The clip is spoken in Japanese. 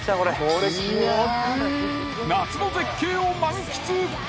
夏の絶景を満喫。